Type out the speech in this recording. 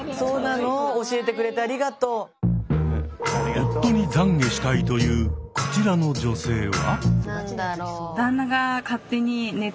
夫に懺悔したいというこちらの女性は。